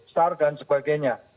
sar dan sebagainya